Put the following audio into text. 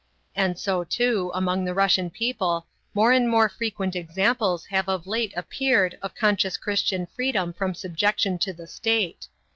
And so, too, among the Russian people more and more frequent examples have of late appeared of conscious Christian freedom from subjection to the state.